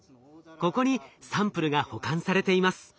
ここにサンプルが保管されています。